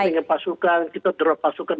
dengan pasukan kita drop pasukan